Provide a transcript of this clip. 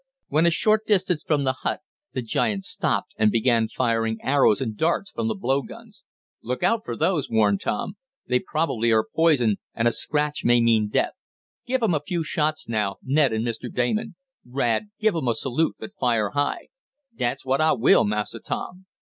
When a short distance from the hut the giants stopped, and began firing arrows and darts from the blow guns. "Look out for those!" warned Tom. "They probably are poisoned, and a scratch may mean death. Give 'em a few shots now, Ned and Mr. Damon! Rad, give 'em a salute, but fire high!" "Dat's what I will, Massa Tom!"